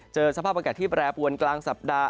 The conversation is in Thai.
สภาพอากาศที่แปรปวนกลางสัปดาห์